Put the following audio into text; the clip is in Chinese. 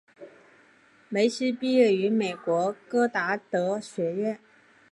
梅西毕业于美国戈达德学院。